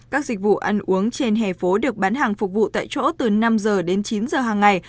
các dịch vụ ăn uống trên hè phố được bán hàng phục vụ tại chỗ từ năm giờ đến chín giờ hàng ngày